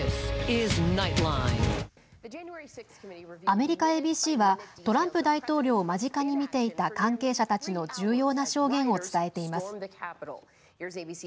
アメリカＡＢＣはトランプ大統領を間近に見ていた関係者たちの重要な証言を伝えています。